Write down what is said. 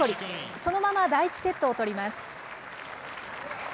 そのまま第１セットを取ります。